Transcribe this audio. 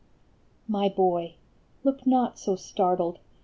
" My boy, Look not so startled